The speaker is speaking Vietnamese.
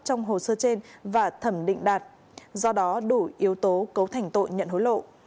trong hồ sơ trên và thẩm định đạt do đó đủ yếu tố cấu thành tội nhận hối lộ